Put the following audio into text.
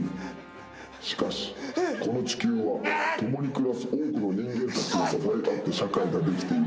しかしこの地球は共に暮らす多くの人間たちが支え合って社会ができている。